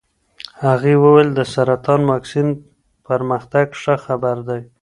هغې وویل د سرطان واکسین پرمختګ ښه خبر دی.